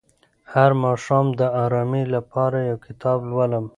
هر ماښام د ارامۍ لپاره یو کتاب لولم.